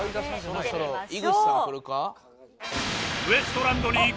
そろそろ井口さんくるか？